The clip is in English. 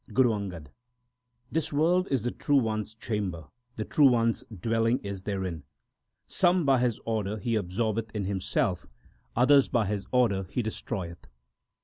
Guru Angad This world is the True One s chamber ; the True One s dwelling is therein. Some by His order He absorbeth in Himself ; others by His order He destroyeth.